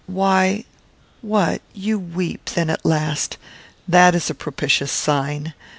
Why, what you weep, then, at last. That is a propitious sign.